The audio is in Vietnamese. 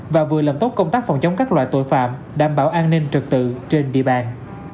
và vừa làm tốt công tác phòng chống các loại tội phạm đảm bảo an ninh trật tự trên địa bàn